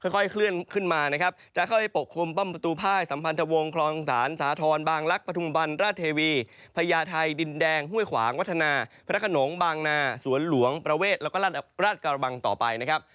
ค่อยเคลื่อนขึ้นมานะครับจะเข้าไปปกคลุมป้อมประตูภายสัมพันธวงศ์คลองศาลสาธรณ์บางลักษณ์ปฐุมบันราชเทวีพญาไทยดินแดงห้วยขวางวัฒนาพระขนงบางนาสวนหลวงประเวทแล้วก็ราชกระบังต่อไปนะครับ